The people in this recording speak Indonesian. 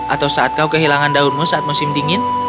atau saat kau kehilangan daunmu saat musim dingin